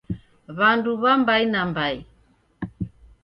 W'anduwa mbai na mbai